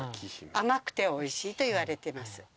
甘くておいしいといわれてます。